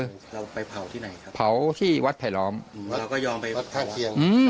เราไปเผาที่ไหนครับเผาที่วัดไผล้ล้อมอืมเราก็ยอมไปอืม